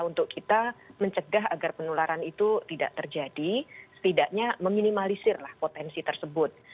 untuk kita mencegah agar penularan itu tidak terjadi setidaknya meminimalisir lah potensi tersebut